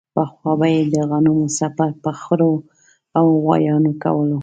پخوا به یې د غنمو څپر په خرو او غوایانو کولو.